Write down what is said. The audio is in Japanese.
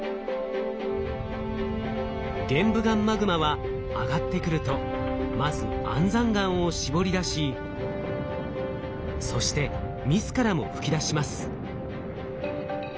玄武岩マグマは上がってくるとまず安山岩を絞り出しそして自らも噴き出します。